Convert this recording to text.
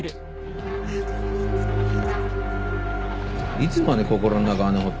いつまで心の中穴掘ってんだ？